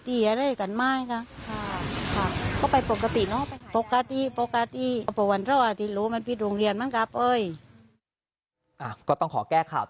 ทีนี้บรรยากาศในงานโรงศพโรงศพในโรงเป็นร่างของน้องทุน่า